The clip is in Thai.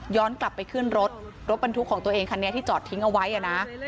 กลับไปขึ้นรถรถบรรทุกของตัวเองคันนี้ที่จอดทิ้งเอาไว้อ่ะนะ